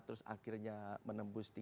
terus akhirnya menembus empat belas